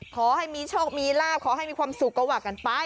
ขอให้มีโชคมีลาบขอให้มีความสุขก็ว่ากันไป